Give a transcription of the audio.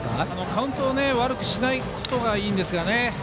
カウントを悪くしないことがいいんですが。